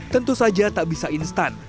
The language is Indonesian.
tentu saja tak bisa instan